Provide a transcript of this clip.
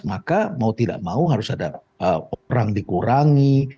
maka mau tidak mau harus ada orang dikurangi